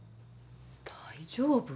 大丈夫？